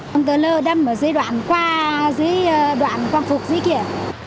con tớ lơ đâm ở dây đoạn qua dưới đoạn quang phục dưới kia